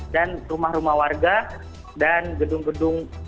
dan rumah rumah warga dan gedung gedung